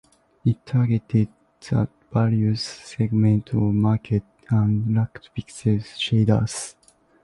It targeted the value segment of the market and lacked pixel shaders.